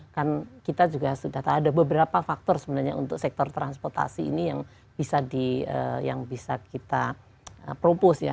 kan kita juga sudah tahu ada beberapa faktor sebenarnya untuk sektor transportasi ini yang bisa kita propose ya